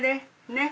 ねっ？